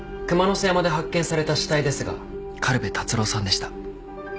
背山で発見された死体ですが苅部達郎さんでした。